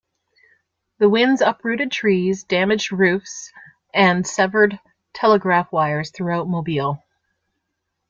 The winds uprooted trees, damaged roofs, and severed telegraph wires throughout Mobile.